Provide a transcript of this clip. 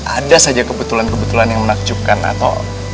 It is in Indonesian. ada saja kebetulan kebetulan yang menakjubkan atau